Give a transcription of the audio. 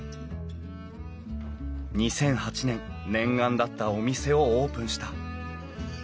２００８年念願だったお店をオープンした。